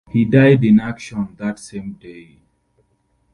He died in action that same day.